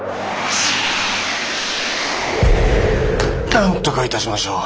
なんとかいたしましょう。